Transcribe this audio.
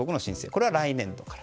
これは来年度から。